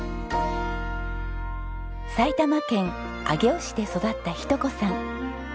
埼玉県上尾市で育った日登子さん。